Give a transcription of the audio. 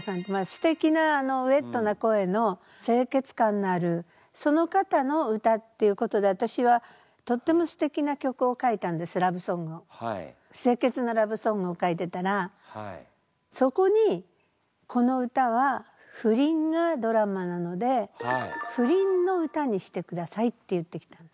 すてきなウエットな声の清潔感のあるその方の歌っていうことで私はとってもすてきな曲を書いたんですラブソングを。を書いてたらそこにこの歌は不倫がドラマなので不倫の歌にしてくださいって言ってきたんです。